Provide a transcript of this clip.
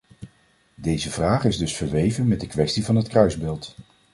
Deze vraag is dus verweven met de kwestie van het kruisbeeld.